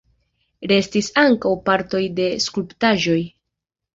Restis ankaŭ partoj de skulptaĵoj.